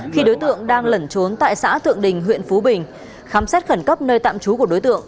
khi đối tượng đang lẩn trốn tại xã thượng đình huyện phú bình khám xét khẩn cấp nơi tạm trú của đối tượng